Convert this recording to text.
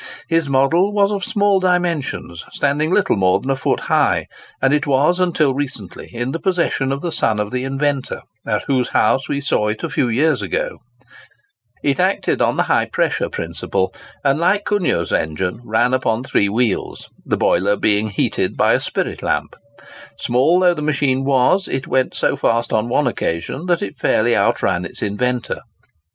His model was of small dimensions, standing little more than a foot high; and it was until recently in the possession of the son of the inventor, at whose house we saw it a few years ago. The annexed section will give an idea of the arrangements of this machine. It acted on the high pressure principle, and, like Cugnot's engine, ran upon three wheels, the boiler being heated by a spirit lamp. Small though the machine was, it went so fast on one occasion that it fairly outran its inventor.